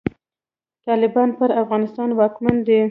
طالبان پر افغانستان واکمن دی.